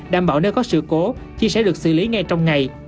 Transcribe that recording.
đảm bảo nếu có sự cố chỉ sẽ được xử lý ngay trong ngày